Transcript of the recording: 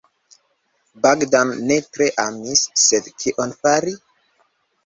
Bogdan ne tre emis, sed kion fari?